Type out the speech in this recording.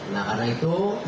nah karena itu